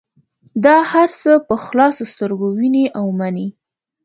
دا هر څه په خلاصو سترګو وینې او مني.